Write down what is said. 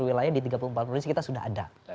wilayah di tiga puluh empat provinsi kita sudah ada